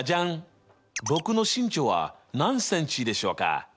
僕の身長は何ｃｍでしょうか？